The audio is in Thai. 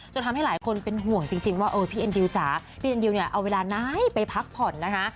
ทำให้หลายคนเป็นห่วงจริงว่าเออพี่เอ็นดิวจ๋าพี่เอ็นดิวเนี่ยเอาเวลาไหนไปพักผ่อนนะคะ